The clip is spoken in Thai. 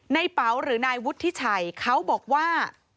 เป๋าหรือนายวุฒิชัยเขาบอกว่า